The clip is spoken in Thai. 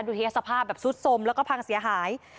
ดูทีละสภาพแบบซุดสมแล้วก็พังเสียหาย